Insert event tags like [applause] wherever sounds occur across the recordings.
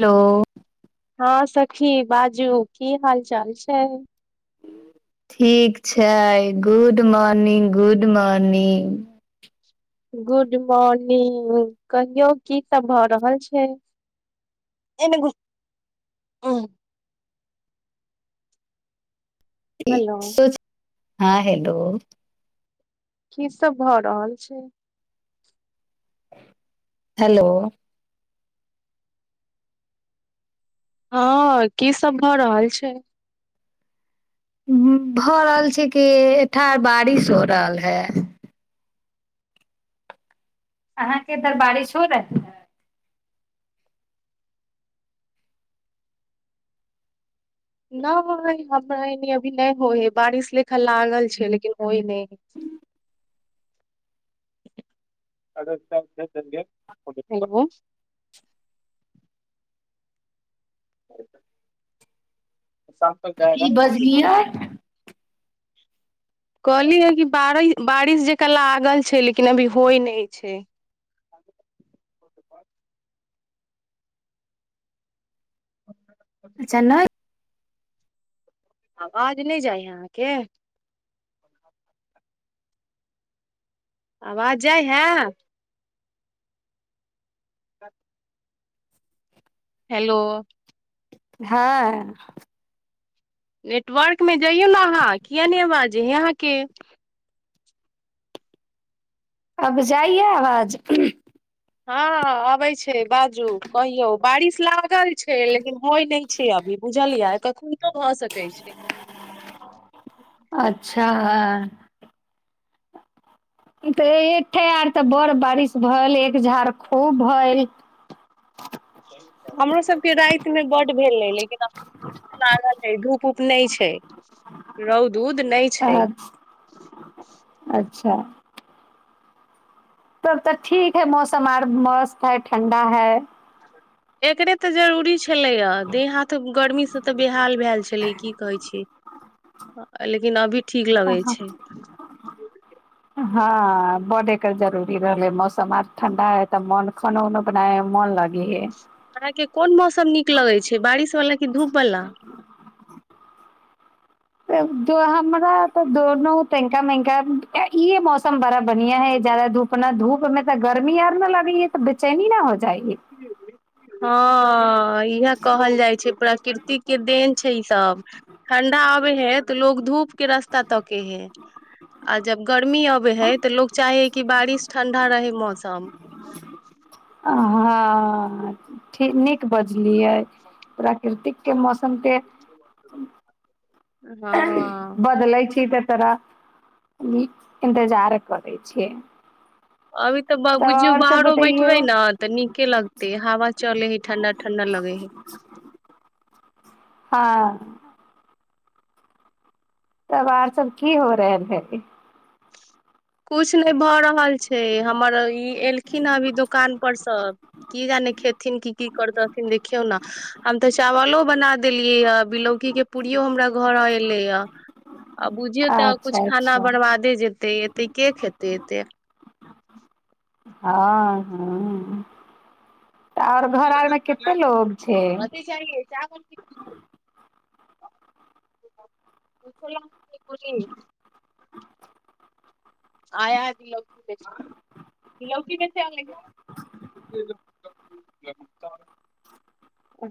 Hello. हँ सखी बाजू की हाल चाल छै। ठीक छै, good morning good morning good morning कहियौ की सब भरहल छै। एना ह हेलो हँ हेलो। की सब भऽ रहल छै हेलो। हँ की सब भऽ रहल छै भऽ रहल छै कि ठार बारिश हो रहल है। अहाँके इधर बारिश हो रहै नय हमरा ए अभी नय होइ है बारिश लेखल लागल छै लेकिन होय नय है [unintelligible] हेलो शाम तक जाएगा की बजलियै [unintelligible] कहली है कि बार बारिश जेक लागल छै लेकिन अभी होइ नय छै अच्छा नय आवाज नय जाइ हइ अहाँके आवाज जाइ हैं। हेलो हँ। नेटवर्क मे जइयौ ने अहाँ किया नय अबाज हे अहाँ के अब जाइय आवाज हँ। अबै छै बाजू कहियौ बारिश लागल छै लेकिन होय नय छै अभी बुझलियै कख भऽ सकै छै अच्छा हँ। तऽ एकठे आर तऽ बड़ बारिश भेलल एक झाड़ खूब भेल हमरो सब के राति मे बड भेल रहै लेकिन लागल है धूप पूप नय छै। रौद उद नय छै। अच्छा। तब तऽ ठीक है। मौसम आर मस्त है। ठण्डा है। एकरे तऽ जरूरी छलैया। देह हाथ गर्मी सँ तऽ बेहाल भेल छलै की कहै छै लेकिन अभी ठीक लगै छै [unintelligible] हँ बडे एकर जरूरी रहले मौसम आर ठंडा है तऽ मन खान उना बनाए मन लागि हे, अहाँके कोन मौसम नीक लगै छै बारिश वलाा की धूप वाला हमरा तऽ दोनो तना मका इे मौसम बड़ा बढ़िया है ज जादा धूप न धूप में तऽ गर्मी आर न लगी या त बेचैनी ना हो जाएी। हँ इह कहल जाइ छै। प्रकृतिक के देन छै। ई सब ठण्डा आबे है। तऽ लोकोग धूप के रास्ता तके है। आ जब गर्मी अबे है। तऽ लोग चाहे है। कि बारिश ठंडा रहे मौसम। हँ ठीक नीक बजलियै परा प्रकृति के मौसम पे [unintelligible] हँ बदलैत छी। तऽ तोरह इन्तजार करै छियै। अभी तऽ तब बुझियौ आओर सब बाहरो बैठबै बतैयौ ने तऽ नीके लगते हवा चले है। ठंडा ठंडा लगे है। हँ। तऽ आर सब की हो रहै है किछ नहि भऽ रहल छै। हमर ई एलखिन ह अभी दुदकादुन पर सब। किी जाने खेथिन किी की कर दथिन देखियौ ने। हम तऽ चावलो बना देलियै य बिलौकी के पूड़ियो हमरा घर एलै यए। आ बुझियौ तऽ कछु अच्छा खाना अच्छा बरबादे जेतेय एते के खेतै एते। हँ हँ। तऽ और घर आरमे कते लोग छै? च चावल। क करी आ याद लौ लौकी कस अल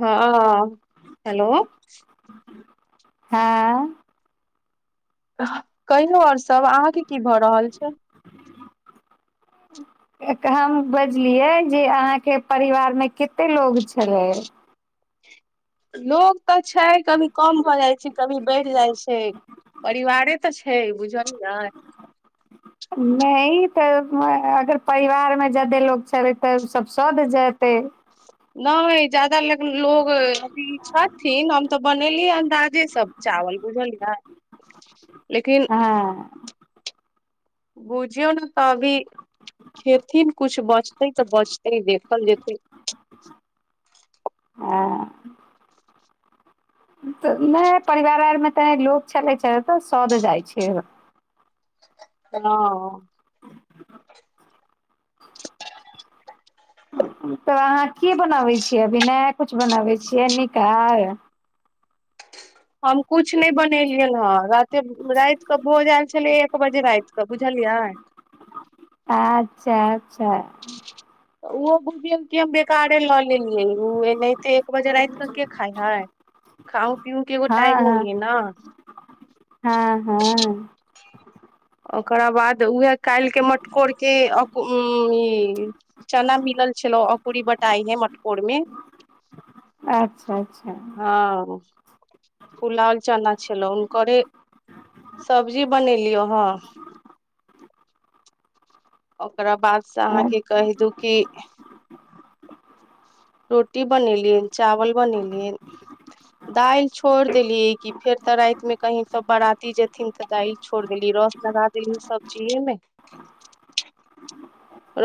हँ हेलो हँ कहिनो आओर सब अहाँके की भऽ रहल छै। ह हम बजलियै जे अहाँके परिवार मे कते लोग छलै। लोको तऽ छै। कभी कम भऽ जाइ छै। कभी बढ़ि जाइ छै। य परिवारे तऽ छै। बुझलियै। नहि तऽ अगर परिवारमे जा्यदे लोक छैबै तऽ सभ सध जेतै। नहि जादाा ल लोग अभी छथिन। हम तऽ बनेली अन्दाजे सब चावल बुझल ह [inaudible] लेकिन बुझियौ ने तऽ अभी खेथिन कुछु बचतै तऽ बचतै देखल जेतै। ह नहि परिवार आर मे तऽ लोक छलै छै। तऽ सध जाइत छै। ह। [inaudible] तऽ अहाँ कि बनाबै छियै। अभी नहि कुछ बनाबै छियै। निकार हम कुछ नहि बनेलियन हँ राते राइत कऽ भोज आयल छलै दू बजे राइत क बुझलियै आच्छा-अच्छा ऽ ओहो बुझ गेल कि हम बेकारे लऽ लेलियै ओ एनाहिते एक बजे रात कऽ के खाय हाै खाउ पीउ केगो टाइम हँ होए हँ न। हँ हँ। ओकरा बाद उएह काल्हिके मटकोरके ई चना मिलल छेलौ अकुरी बटाई है मटकोर में आच्छा-अच्छा हँ पुलाल चना छेलौ हुनकरे सब्जी बनेलियौ हँ ओकरा बाद से अहाँके कहि दू की रोटी बनेलियचावल बनेलियन दालि छोड़ देलियै कि फेर तऽ राति में कहीं सब बराती जेथिन तऽ दालि छोड़ देलियै रस लगा देल सब चीजे में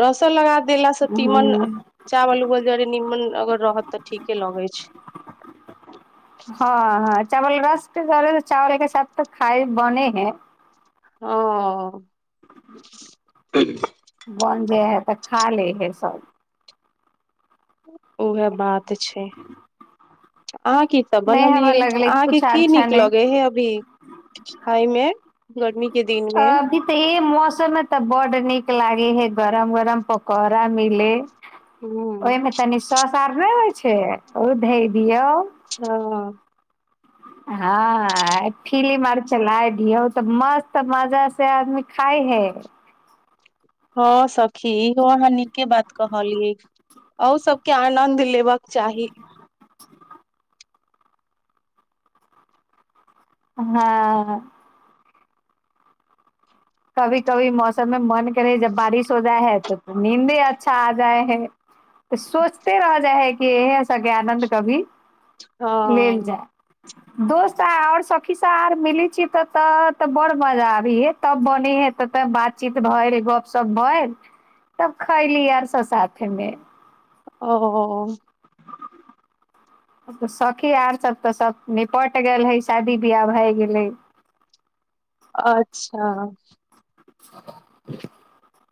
रसन लगा देला स तीमन ह चावल उवल जारेनीमन अगर रहत तऽ ठीके लगै छै हँ-ह चावल रस के करे चावल के साथ तऽ खाइ बने है हँ बन जे है तऽ खा ले है सब ओहे बात छै अहाँ की तऽ नहि हमरा बनलियै लगले अहाँके कुछ की अच्छा नीक नहि लगै हे अभी खाइ में गर्मी के दिन में अभी तऽ ई मौसम में तऽ बड नीक लागे है गरम-गरम पकौड़ा मिले हूँ ओहिमें तनी सौ सार नहि होइ छै ओ धए दियौ हँ हँ फीलीम अर चलाए दियौ तऽ मस्त मजा से आदमी खााय है हँ सखी इहो अहाँ निके बात कहलियै औ सबके आनन्द लेबक चाही आ कभी-कभी मौसम में मन करै हे जब बारिश हो जाइ है त नींदे अच्छा आ जाए है [unintelligible] तऽ सोचते रहि जाइ हइ कि इएहे सभके आनन्द कभी हँ लेल जै दोस्त आओर सखी स आर मिली छयत तऽ बड़ मजा आबीऐ तब बने है तऽ तब बातचीत भएर गपशप भएल तब खायली आर सब साथे में ओ सखी आर सब तऽ सब निपट गेल है शादी-बियाह भए गेलै अच्छा [unintelligible]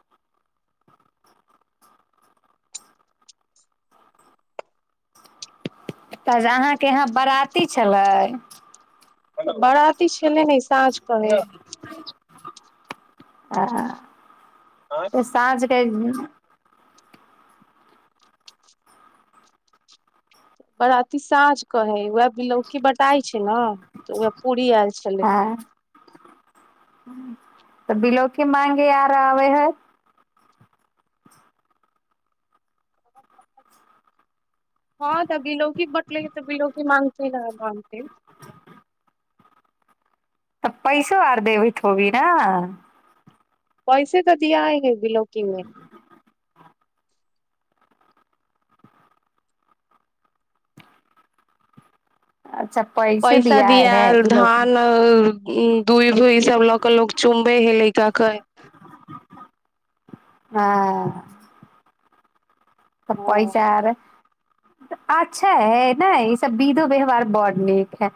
तऽ ज अहाँके यहाँ बराती छलै बराती छेलै नहि साँझ कहे आ त साँझ क बराती साँझ क है उएह बिलौकी बटाई छै न तऽ उएह पूरी आयल छलै हँ तऽ बिलौकी माँगे आर आबै हय हँ तऽ बिलौकी बटलैया तऽ बिलौकी मांगतै न मांगतै तऽ पैसो आर देबैत होबी न पैसे तऽ दियाय है बिलौकी में अच्छा पै पैसा दियेल धान ह दूईभ उईब सब लऽ क लोग चुमबै हाय लड़का के एखन ह त पइ हँ चार त अच्छा है ने ई सब बिधो व्यवहार बड़ नीक है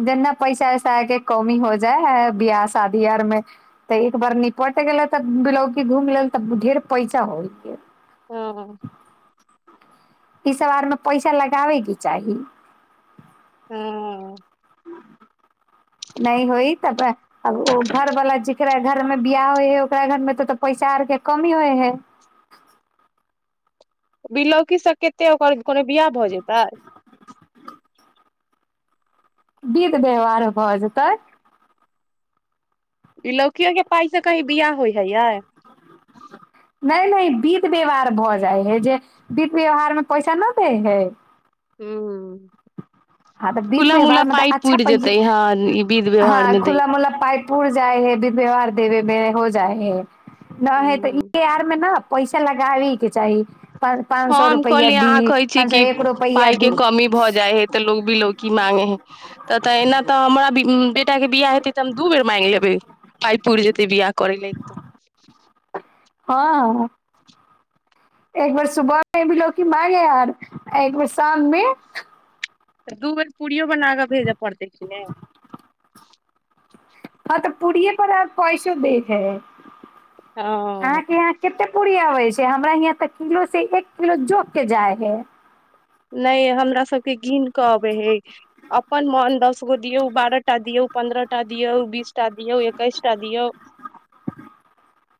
जेना पैसा-वैसा के कमी हो जाइ है बियाह-शादी आर में तऽ एक बार निपट गेलै तऽ बिलौकी घूम लेल तऽ ढेर पैसा हो गेल हं-हं ई सब आर में पैसा लगाबै के चाही हूँ नहि होइ त आब ओ घर वाला जेकरा घर मे बियाह होइ है ओकरा घर मे तऽऽ पैसा आर के कमी होइ है बिलौकी सब कते ओकर कोनो बिियाह भऽ जेतय विध व्यवहार भऽ जेतै इ लौकियो केँ पाइ से कही बियाह होइ हय यै नै नै विध व्यवहार भऽ जाइ हय जे विध व्यवहार में पैसा न दै है [unintelligible] [inaudible] हँ तऽ विध खुला व्यवहार मुल्ला मे तऽ पाइप अच्छा पुर पैसा जेतै ह ई विध व्यवहार हँ में दै खुला ल मुला पाइ पुर जाइ हैध व्यवहार देबे में हो जाइ है न है तऽ इ हूँ [unintelligible] पैसा लगाबै केँ चाही पाँच सौ हम रुपैआ कहलिय अहाँ दी कहै छी पाँच सौ कि एक रुपैआ पाय केँ दी कमी भऽ जाय हे तऽ लोक बिलोकी माँगे है तब तऽ अहिना तऽ हमरा बि बेटा केँ बियाह हेतै तऽ हम दू बेर माइंग लेबै [unintelligible] पुर जेते बियाह करे लेल तऽ हँ एकबेर सुबह में बिलोकि मइंग एहार एक बेर शाम मे तऽ दू बेर पूड़ियो बना कऽ भेज पड़तै कि नै हँ तऽ पूड़िये पर आ पैसो दै है [inaudible] हँ अहाँकेँ यहाँ कते पूड़ी आबै छै हमरा यहाँ तऽ किलो से एक किलो जोक कऽ जाइ है नै हमरा सब कऽ गिन कऽ अबे है अपन मन दस गो दियौ बारह टा दियौ पन्द्रह टा दियौ बीस टा दियौ एकैस टा दियौ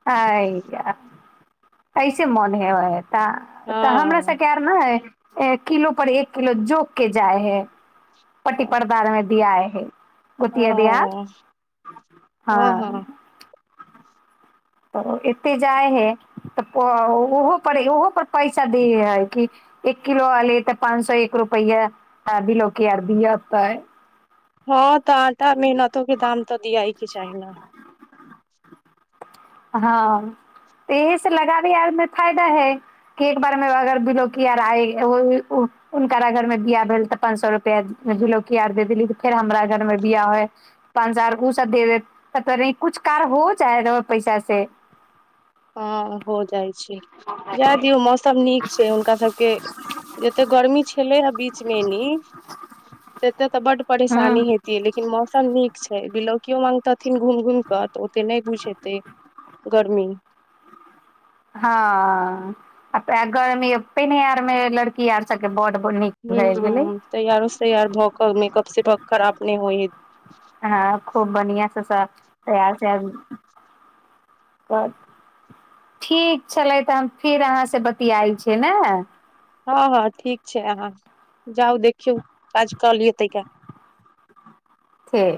अ या [inaudible] ऐसे मोन हे है तऽ तऽ हमरा हँ सब केँ नै है ए किलो पर एक किलो जोख केँ जाइ है पट्टी हँ परदार दिया है गोटिया [unintelligible] हँ एते जाइ है तऽ ओहो पर ओहो पर पैसा देै है कि एक किलो आल तऽ पाँच सौ एक रुपैआ बिलोकि अर दिएत हँ तऽ आटा मेहनतो केँ दाम तऽ दियाक केँ चाही न हँ [inaudible] इहि से लगाबी आर में फायदा है एक बारेमे अगर बिलोकी आर आए [unintelligible] हुनकरा घर में बियाह भेल तऽ पाँच सौ रुपआ बिलोकी आर देदेली फेर हमरा घर में बिआह होय पाँच हजार उसेब दे दे तऽ तब री कुछ कार हो जा पैसा से हँ हो जाइ छै जाए दियौ मौसम नीक छै हुनका सब केँ जते गर्मी छले हे बीच मे ऐनी [inaudible] तत्ते तऽ बड परेशानी हँ हे लेकिन मौसम नीक छै बिलौकियो मांगतथिन घुम घुम कऽ तऽ ओते नै बुझेते गर्मी हँ [inaudible] ते गर्मि पहिने आर में लड़की आर सबकेँ बर नीक भए गेलै हू [inaudible] तैयारो सैयार भऽ कऽ मेकअप से खराब नै होइ है हँ खूब बढ़िया सब स तैयार [unintelligible] ठीक छलै तऽ हम फिर अहाँ से बति आइ छियै न हँ हँ ठीक छै आहा‌ जाउ देखियौ काज कल तय क ठीक